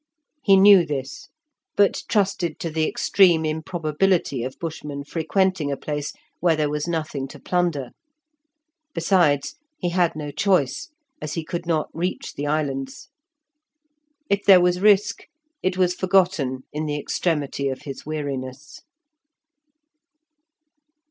He knew this, but trusted to the extreme improbability of Bushmen frequenting a place where there was nothing to plunder. Besides, he had no choice, as he could not reach the islands. If there was risk, it was forgotten in the extremity of his weariness.